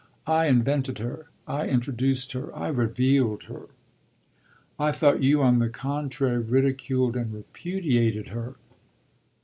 "I invented her. I introduced her. I revealed her." "I thought you on the contrary ridiculed and repudiated her."